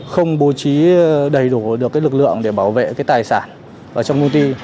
không bố trí đầy đủ được lực lượng để bảo vệ cái tài sản ở trong công ty